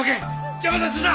邪魔立てするな！